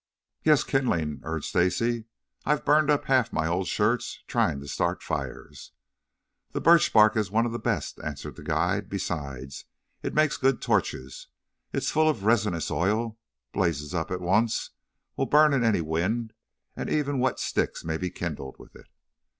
"Yes, kindling," urged Stacy. "I've burned up half of my old shirts trying to start fires." "The birch bark is one of the best," answered the guide. "Besides, it makes good torches. It is full of resinous oil, blazes up at once, will burn in any wind, and even wet sticks may be kindled with it."